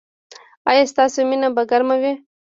ایا ستاسو مینه به ګرمه وي؟